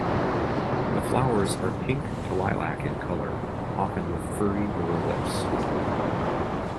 The flowers are pink to lilac in colour often with furry lower lips.